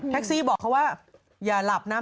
แท็กซี่บอกเค้าว่าอย่าหลับนะ